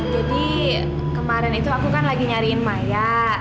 jadi kemarin itu aku kan lagi nyariin maya